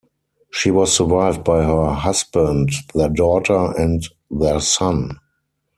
She was survived by her husband, their daughter, and their son.